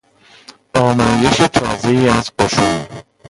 آمایش تازهای از قشون